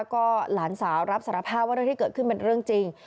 ก็หลานสาวรับสารภาพว่าเรื่องที่เกิดขึ้นเป็นเรื่องจริง